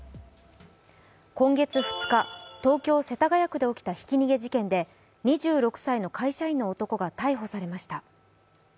今月２日、東京・世田谷区で起きたひき逃げ事件で２６歳の会社員の男が逮捕されました。